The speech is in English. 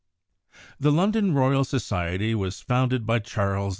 The London Royal Society was founded by Charles II.